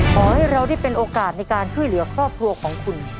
ขอให้เราได้เป็นโอกาสในการช่วยเหลือครอบครัวของคุณ